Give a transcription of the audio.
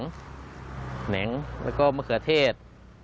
แหงแล้วก็มะเขือเทศ